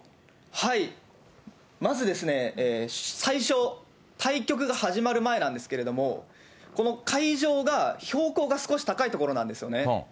まずですね、最初、対局が始まる前なんですけども、この会場が標高が少し高い所なんですよね。